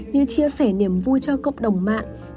như chia sẻ niềm vui cho cộng đồng mạng